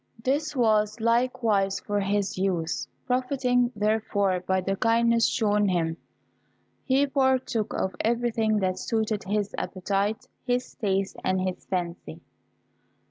This was likewise for his use. Profiting, therefore, by the kindness shown him, he partook of everything that suited his appetite, his taste, and his fancy.